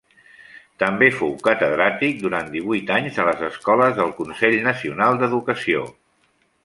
També fou catedràtic, durant divuit anys, a les escoles del Consell Nacional d’Educació.